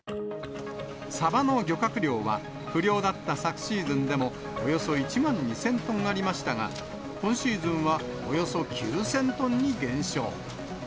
サバの漁獲量は、不漁だった昨シーズンでもおよそ１万２０００トンありましたが、今シーズンはおよそ９０００トンに減少。